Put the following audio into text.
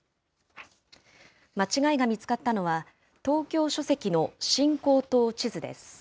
間違いが見つかったのは、東京書籍の新高等地図です。